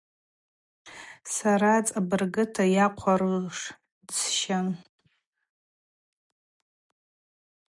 Сара, цӏабыргыта, йахъварушдзысщан.